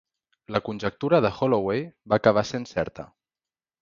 La conjectura de Holloway va acabant sent certa.